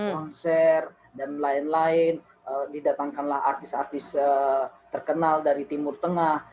konser dan lain lain didatangkanlah artis artis terkenal dari timur tengah